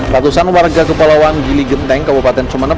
ratusan warga kepala wanggili genteng kabupaten sumeneb